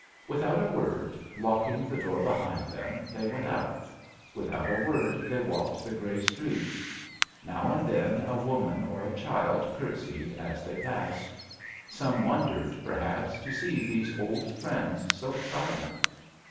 Without a word, locking the poor behind them, they went put. Without a word they Balked the grey streets. Now tind then a woman or a child .airtseyed as they passed. Some wondered, perhaps, to see these dd friends so silent.